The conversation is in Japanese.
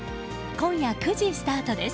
今夜９時スタートです。